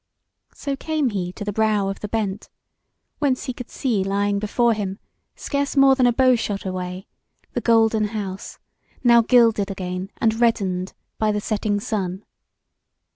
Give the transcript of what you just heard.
So came he to the brow of the bent whence he could see lying before him, scarce more than a bow shot away, the Golden House now gilded again and reddened by the setting sun.